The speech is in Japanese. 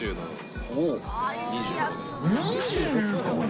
２５年？